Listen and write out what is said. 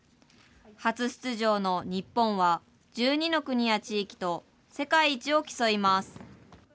初出場の日本は、１２の国や地域と世界一を競います。